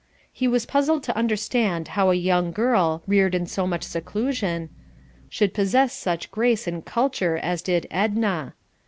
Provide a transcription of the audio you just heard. He was puzzled to understand how a young girl, reared in so much seclusion, should possess such grace and culture as did Edna.